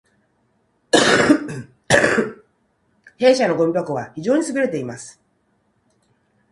弊社のごみ箱は非常に優れています